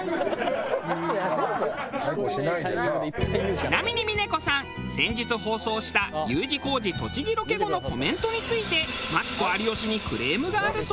ちなみに峰子さん先日放送したＵ字工事栃木ロケ後のコメントについてマツコ有吉にクレームがあるそうで。